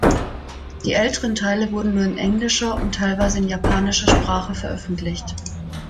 Die älteren Teile wurden nur in englischer und teilweise in japanischer Sprache veröffentlicht.